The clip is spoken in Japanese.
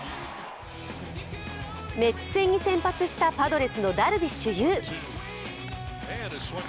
メッツ戦に先発したパドレスのダルビッシュ有。